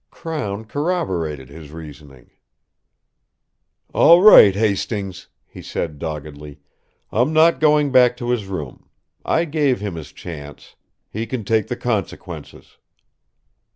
Crown corroborated his reasoning. "All right, Hastings," he said doggedly. "I'm not going back to his room. I gave him his chance. He can take the consequences."